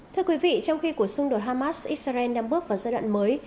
thưa quý vị trong khi cuộc xung đột hamas israel đang bước vào giai đoạn mới